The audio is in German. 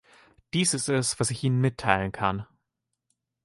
Dies ist es, was ich Ihnen mitteilen kann.